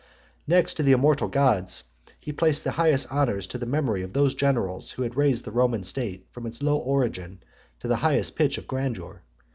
Next to the immortal gods, he paid the highest honours to the memory of those generals who had raised the Roman state from its low origin to the highest pitch of grandeur.